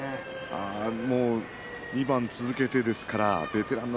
２番続けてですからベテランの